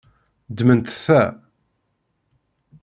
Ddmemt ta.